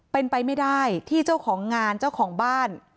เป็นไปไม่ได้ที่เจ้าของงานเจ้าของบ้าน